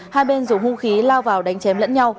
hai bên dùng hung khí lao vào đánh chém lẫn nhau